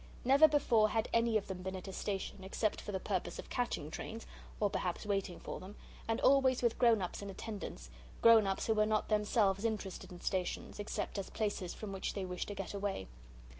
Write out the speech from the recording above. Never before had any of them been at a station, except for the purpose of catching trains or perhaps waiting for them and always with grown ups in attendance, grown ups who were not themselves interested in stations, except as places from which they wished to get away.